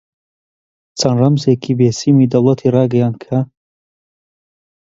چەند ڕەمزێکی بێسیمی دەوڵەتی ڕاگەیاند کە: